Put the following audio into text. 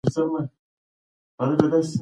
نجلۍ ورو خبرې کوي.